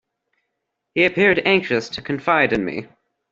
He appeared anxious to confide in me.